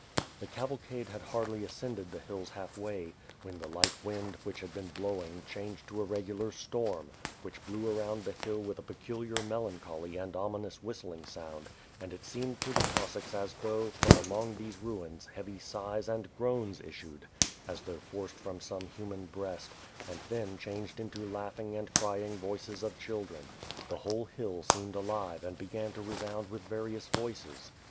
The cavalcade had hardly ascended the hills halfway, when the light wind which had been blowing changed to a regular storm, which blew aroimd the hill with a peculiar melancholy and ominous whistling sound and it seemed to the Cossacks as though, from among these ruins heavy sighs and groans issued as though forced from some human breast, and then changed into laughing and crying voices of children. The whole hill seemed alive and began to resound with various voices.